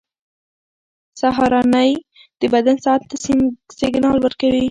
سهارنۍ د بدن ساعت ته سیګنال ورکوي.